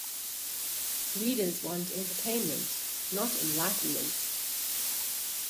Readers want entertainment, not enlightenment.